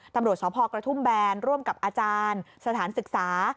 ตำรวจสพกระทุ่มแบนร่วมกับอาจารย์สถานศึกษา